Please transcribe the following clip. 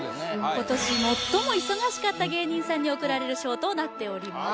今年最も忙しかった芸人さんに贈られる賞となっております